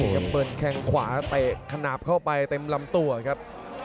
จะเปิดแข่งขวาเตะขนาดเข้าไปเต็มลำตัวครับ